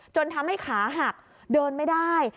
จนทำให้ขาหักเดินไม่ได้